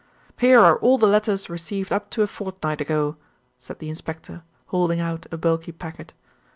"Here are all the letters received up to a fortnight ago," said the inspector, holding out a bulky packet.